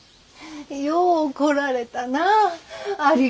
よう来られたなあ。